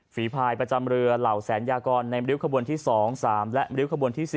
ฝีภายประจำเรือเหล่าแสนยากรในมริวขบวนที่สองสามและมริวขบวนที่สี่